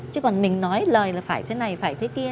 chứ còn mình nói lời là phải thế này phải thế kia